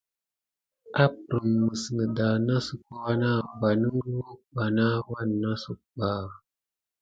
Apprem mis neda nosuko wana va nəngluwek ɓa na wannəsepsuk ɓa.